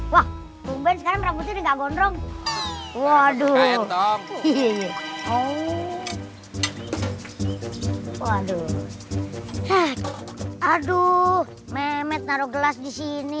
waduh waduh aduh memet taruh gelas di sini